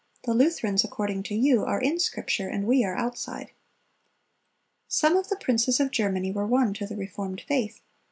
"The Lutherans, according to you, are in Scripture, and we are outside."(306) Some of the princes of Germany were won to the reformed faith.